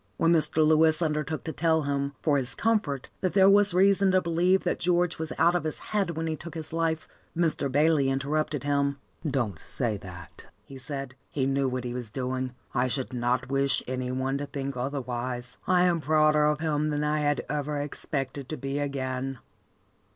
When Mr. Lewis undertook to tell him, for his comfort, that there was reason to believe that George was out of his head when he took his life, Mr. Bayley interrupted him. "Don't say that," he said. "He knew what he was doing. I should not wish any one to think otherwise. I am prouder of him than I had ever expected to be again."